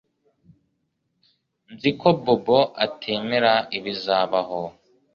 Nzi ko Bobo atemera ibizabaho